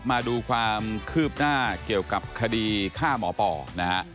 มาดูความคืบหน้าเกี่ยวกับคดีฆ่าหมอปอนะฮะ